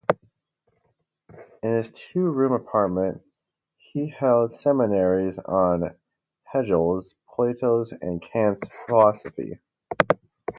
In his two-room apartment he held seminaries on Hegel's, Plato's and Kant's philosophy.